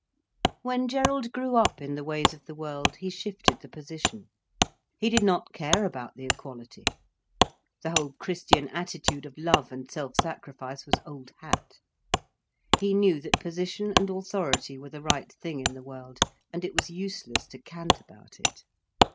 When Gerald grew up in the ways of the world, he shifted the position. He did not care about the equality. The whole Christian attitude of love and self sacrifice was old hat. He knew that position and authority were the right thing in the world, and it was useless to cant about it.